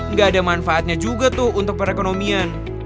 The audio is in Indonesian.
nggak ada manfaatnya juga tuh untuk perekonomian